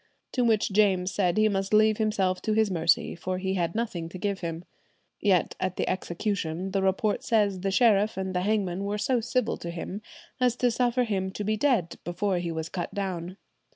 To which James said he must leave himself to his mercy, for he had nothing to give him." Yet at the execution, the report says the sheriff and the hangman were so civil to him as to suffer him to be dead before he was cut down.